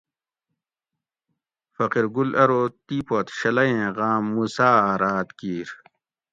فقیرگل ارو تی پت شلیٔیں غام موسیٰ ھہ راۤت کیر